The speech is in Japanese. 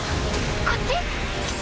こっち？